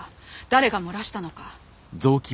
誰が漏らしたのか。